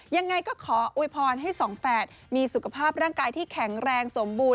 ยังไงก็ขออวยพรให้สองแฝดมีสุขภาพร่างกายที่แข็งแรงสมบูรณ